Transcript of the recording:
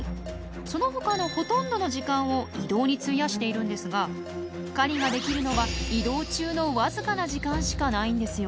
そのほかのほとんどの時間を移動に費やしているんですが狩りができるのは移動中の僅かな時間しかないんですよ。